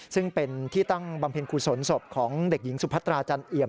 ซึ่งเป็นที่ตั้งบำเพ็ญกุศลศพของเด็กหญิงสุพัตราจันเอี่ยม